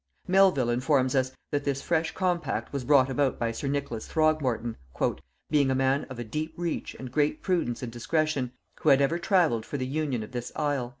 Melvil informs us that this fresh compact was brought about by sir Nicholas Throgmorton, "being a man of a deep reach and great prudence and discretion, who had ever travelled for the union of this isle."